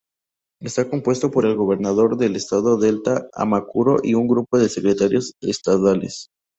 Está compuesto por el Gobernador del Estado Delta Amacuro y un grupo Secretarios Estadales.